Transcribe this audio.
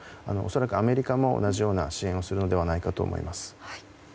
恐らくアメリカも同じような支援をするのではないかと思います。